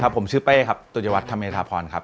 ผมชื่อเป้ตุยวัฒน์ธรรมดาภรณ์ครับ